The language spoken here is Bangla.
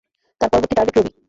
তার পরবর্তী টার্গেট রবি।